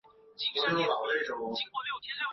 牧民们将他们统称为上海孤儿。